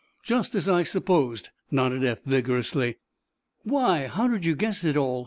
"Just as I supposed," nodded Eph, vigorously. "Why, how did you guess it all?"